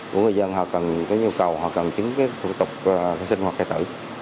của người dân họ cần cái nhu cầu họ cần chứng cái thủ tục khai sinh hoặc khai tử